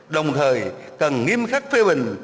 đồng thời cần nghiêm khắc phê bình